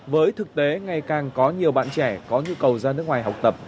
với thực tế ngày càng có nhiều bạn trẻ có nhu cầu ra nước ngoài học tập